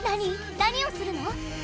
何をするの？